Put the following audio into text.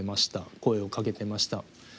声をかけてました。